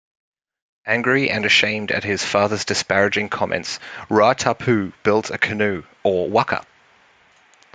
Angry and ashamed at his father's disparaging comments, Ruatapu built a canoe, or "waka".